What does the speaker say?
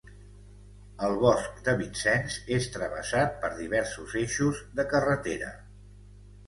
El bosc de Vincennes és travessat per diversos eixos de carretera.